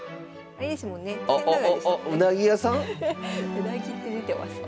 「うなぎ」って出てますね。